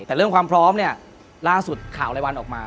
แต่เรื่องความพร้อมเนี่ยล่าสุดข่าวรายวันออกมา